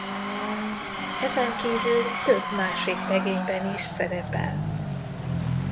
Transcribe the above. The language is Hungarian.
Ezen kívül több másik regényben is szerepel.